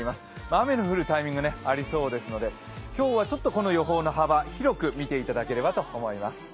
雨の降るタイミングありそうですので、今日は予報の幅、広く見ていただければと思います。